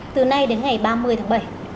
từ nay đến ngày ba mươi tháng bảy